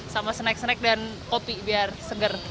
sama snack snack dan kopi biar seger